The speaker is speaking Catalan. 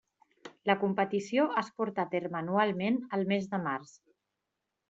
La competició es porta a terme anualment el mes de març.